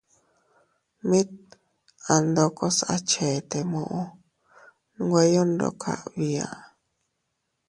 Mit andokos a chete muʼu nweyo ndokas bia.